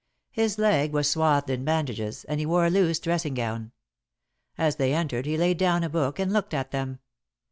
His leg was swathed in bandages, and he wore a loose dressing gown. As they entered he laid down a book and looked at them.